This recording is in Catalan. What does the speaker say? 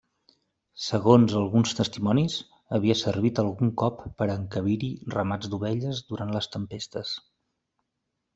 Segons alguns testimonis, havia servit algun cop per a encabir-hi ramats d'ovelles durant les tempestes.